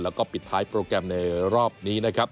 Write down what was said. แล้วก็ปิดท้ายโปรแกรมในรอบนี้นะครับ